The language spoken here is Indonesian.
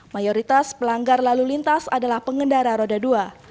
mayoritas pelanggar lalu lintas adalah pengendara roda dua